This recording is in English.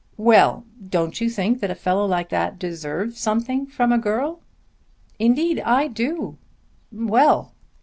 "Well! Don't you think that a fellow like that deserves something from a girl?" "Indeed I do." "Well!"